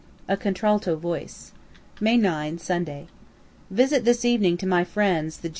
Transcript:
A CONTRALTO VOICE May 9, Sunday. Visit this evening to my friends the J.'